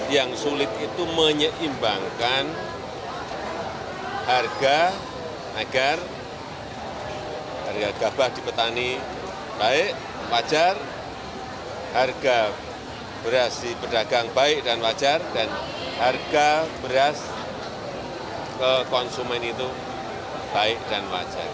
yang sulit itu menyeimbangkan harga agar harga gabah di petani baik wajar harga beras di pedagang baik dan wajar dan harga beras ke konsumen itu baik dan wajar